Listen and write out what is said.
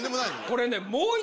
これね。